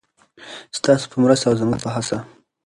ستاسو په مرسته او زموږ په هڅه.